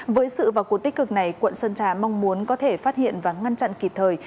với sự vào cuộc tích cực này quận sơn trà mong muốn có thể phát hiện và ngăn chặn kịp thời